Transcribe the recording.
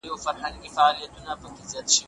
په متحده ایالاتو کې څو ولسمشران کیڼ لاسي ول.